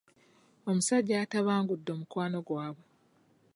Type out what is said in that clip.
Omusajja yatabangula omukwano gwabwe.